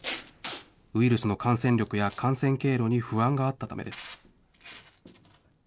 ウイルスの感染力や感染経路に不安があったためです。